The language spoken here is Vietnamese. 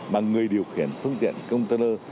mà người điều khiển phương tiện container